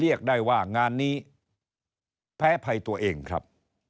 เรียกได้ว่างานนี้แพ้ภัยตัวเองครับ